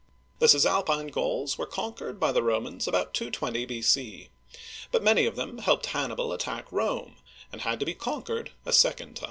The Cisalpine Gauls were conquered by the Romans about 220 b.c. ; but many of them helped Han'nibal attack Rome, and had to be con quered a second time.